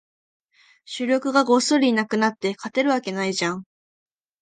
主力がごっそりいなくなって、勝てるわけないじゃん